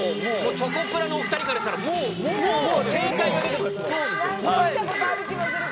チョコプラのお２人からしたらもう正解が出てます。